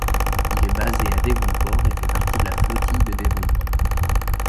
Il est basée à Devonport et fait partie de la flottille de Devonport.